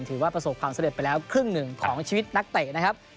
ถือว่าประสบความสำเร็จไปแล้วครึ่งหนึ่งของชีวิตนักเตะนะครับ